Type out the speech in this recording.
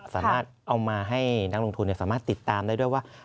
สามารถเอามาให้นักลงทุนสามารถติดตามได้ด้วยว่า